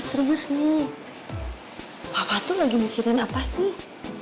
serius nih kakak tuh lagi mikirin apa sih